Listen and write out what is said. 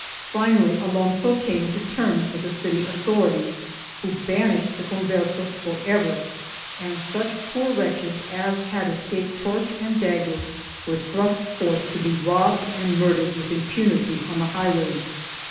Finally Alonso came to terms with the city authorities, who banished the Converses for ever and such poor wretches as had escaped torch and dagger were thrust forth to be robbed and murdered with impunity on the highways.